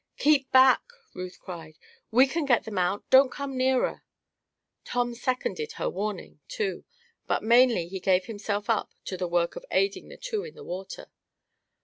"Keep back!" Ruth cried. "We can get them out. Don't come nearer!" Tom seconded her warning, too. But mainly he gave himself up to the work of aiding the two in the water.